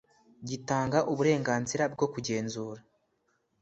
gitanga uburenganzira bwo kugenzura